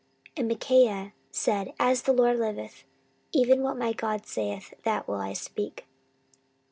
14:018:013 And Micaiah said, As the LORD liveth, even what my God saith, that will I speak.